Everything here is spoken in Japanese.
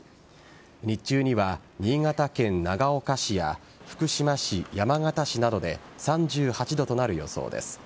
日中には新潟県長岡市や福島市、山形市などで３８度となる予想です。